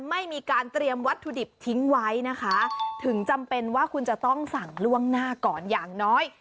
ไม่มีการเตรียมวัตถุดิบทิ้งไว้นะคะถึงจำเป็นว่าคุณจะต้องสั่งล่วงหน้าก่อนอย่างน้อย